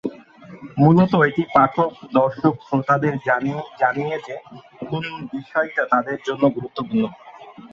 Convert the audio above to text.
মূলত এটি পাঠক-দর্শক-শ্রোতাদের জানিয়ে যে কোন বিষয়টা তাদের জন্য গুরুত্বপূর্ণ।